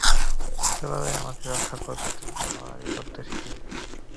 ছোটবেলায় আমাকে রক্ষা করতে, ও মারামারি শিখেছিল।